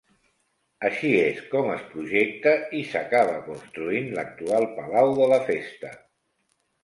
Així és com es projecta, i s'acaba construint l'actual Palau de la Festa.